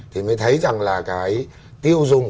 thì mới thấy rằng là cái tiêu dùng